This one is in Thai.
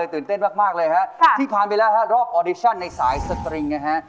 ตื่นเต้นมากเลยฮะที่ผ่านไปแล้วฮะรอบออดิชั่นในสายสตริงนะฮะ